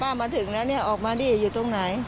มาถึงแล้วเนี่ยออกมาดิอยู่ตรงไหน